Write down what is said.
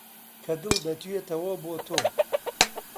کە دڵ دەتوێتەوە بۆ تۆ